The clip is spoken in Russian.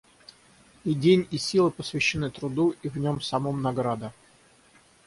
И день и силы посвящены труду, и в нем самом награда.